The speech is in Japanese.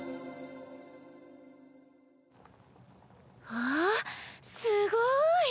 わあすごい！